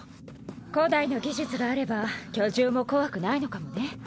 古代の技術があれば巨獣も怖くないのかもね。